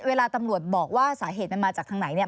เวลาตำรวจบอกว่าสาเหตุมันมาจากทางไหนเนี่ย